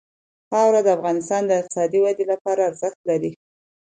خاوره د افغانستان د اقتصادي ودې لپاره ارزښت لري.